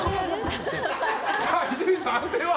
伊集院さん、判定は？